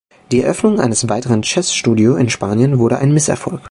Die Eröffnung eines weiteren "Chess Studio" in Spanien wurde ein Misserfolg.